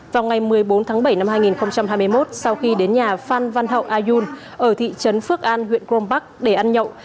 vào ngày một mươi bốn tháng bảy năm hai nghìn hai mươi một sau khi đến nhà phan văn hậu ayun ở thị trấn phước an huyện crong park để ăn nhậu